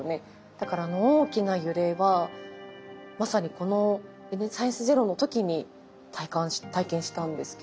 だからあの大きな揺れはまさにこの「サイエンスＺＥＲＯ」の時に体験したんですけど。